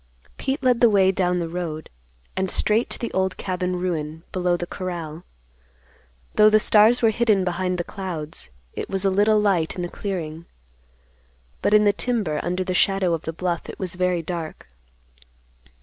Pete led the way down the road, and straight to the old cabin ruin below the corral. Though the stars were hidden behind clouds, it was a little light in the clearing; but, in the timber under the shadow of the bluff, it was very dark.